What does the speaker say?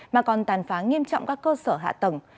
mà còn tàn phá nghiêm trọng các cơ sở hạ tầng